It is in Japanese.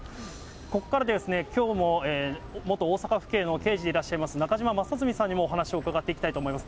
ここからですね、きょうも元大阪府警の刑事でいらっしゃいます、中島正純さんにもお話を伺っていきたいと思います。